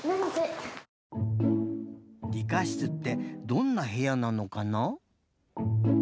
理科室ってどんなへやなのかな？